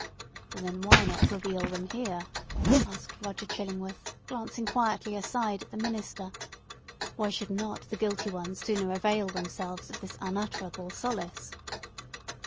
"Then why not reveal it here?" asked Roger Chillingworth, glancing quietly aside at the minister. "Why should not the guilty ones sooner avail themselves of this unutterable solace?"